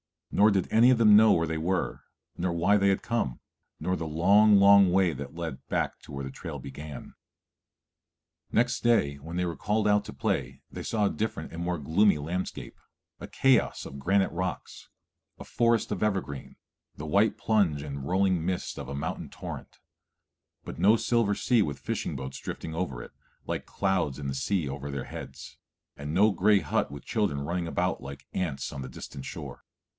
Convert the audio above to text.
Nor did any of them know where they were, nor why they had come, nor the long, long way that led back to where the trail began. Next day when they were called out to play they saw a different and more gloomy landscape, a chaos of granite rocks, a forest of evergreen, the white plunge and rolling mist of a mountain torrent; but no silver sea with fishing boats drifting over it, like clouds in the sea over their heads, and no gray hut with children running about like ants on the distant shore.